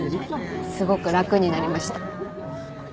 すごく楽になりました。